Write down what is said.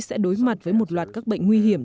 sẽ đối mặt với một loạt các bệnh nguy hiểm